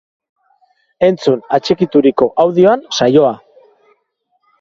Entzun atxikituriko audioan saioa!